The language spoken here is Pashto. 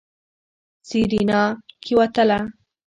سېرېنا کېوتله.